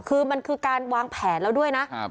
คือมันคือการวางแผนแล้วด้วยนะ